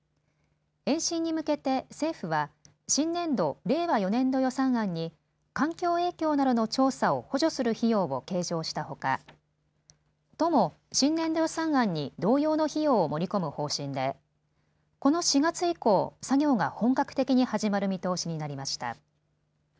延伸に向けて政府は新年度、令和４年度予算案に環境影響からの調査を補助する費用を計上したほか都も新年度予算案に同様の費用を盛り込む方針でこの４月以降、作業が本格的に始まる見通しになりました。